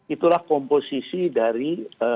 itulah komposisi dari